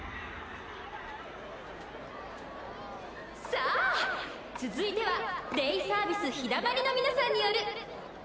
さあ続いてはデイサービス陽だまりの皆さんによる踊りの披露です！